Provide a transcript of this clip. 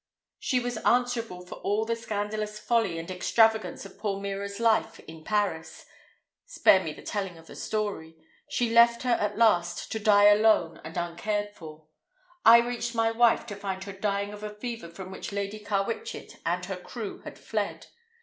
She was answerable for all the scandalous folly and extravagance of poor Mira's life in Paris—spare me the telling of the story. She left her at last to die alone and uncared for. I reached my wife to find her dying of a fever from which Lady Carwitchet and her crew had fled.